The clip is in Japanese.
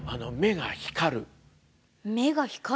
目が光る？